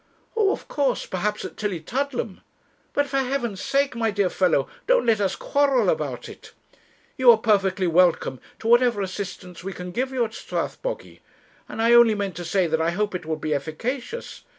'Oh, of course; perhaps at Tillietudlem; but for Heaven's sake, my dear fellow, don't let us quarrel about it. You are perfectly welcome to whatever assistance we can give you at Strathbogy. I only meant to say that I hope it will be efficacious.